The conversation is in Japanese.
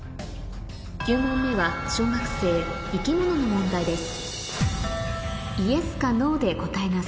９問目は小学生生き物の問題です